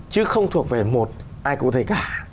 chứ không thuộc về một ai cụ thể cả